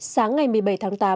sáng ngày một mươi bảy tháng tám